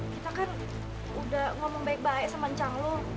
kita kan udah ngomong baik baik sama cang lo